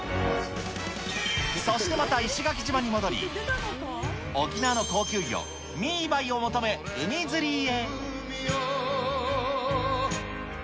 そしてまた石垣島に戻り、沖縄の高級魚、ミーバイを求め海釣りへ。